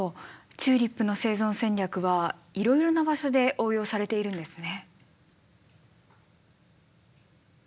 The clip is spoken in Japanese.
チューリップの生存戦略はいろいろな場所で応用されているんですね。